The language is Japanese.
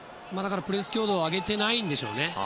プレス強度を上げていないんでしょうね。